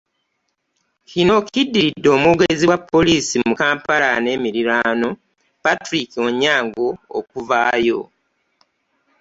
Kino kiddiridde omwogezi wa poliisi mu Kampala n'emiriraano, Patrick Onyango, okuvaayo